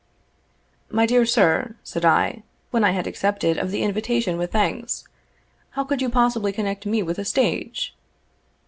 "My dear sir," said I, when I had accepted of the invitation with thanks, "how could you possibly connect me with the stage?"